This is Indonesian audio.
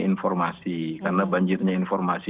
informasi karena banjirnya informasi